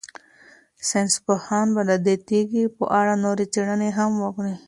ساینس پوهان به د دې تیږې په اړه نورې څېړنې هم وکړي.